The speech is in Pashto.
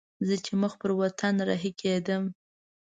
زه چې مخ پر وطن رهي کېدم.